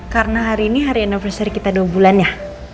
karena hari ini hari anniversary kita dua bulan ya